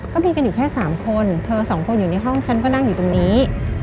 ก็มีกันอยู่แค่๓คนเธอสองคนอยู่ในห้องฉันก็นั่งอยู่ตรงนี้